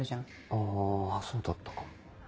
あそうだったかも。